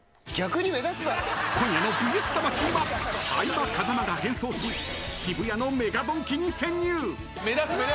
今夜の「ＶＳ魂」は相葉、風間が変装し渋谷のＭＥＧＡドンキに潜入。